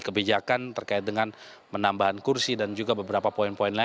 kebijakan terkait dengan penambahan kursi dan juga beberapa poin poin lain